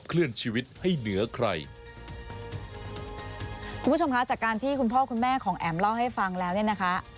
คุณผู้ชมคะจากการที่คุณพ่อคุณแม่ของแอ๋มเล่าให้ฟังแล้วเนี่ยนะคะ